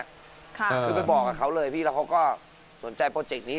คือไปบอกกับเขาเลยพี่แล้วเขาก็สนใจโปรเจกต์นี้